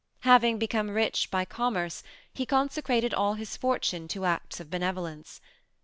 Having become rich by commerce, he consecrated all his fortune to acts of benevolence.